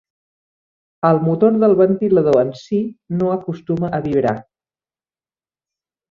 El motor del ventilador en sí no acostuma a vibrar.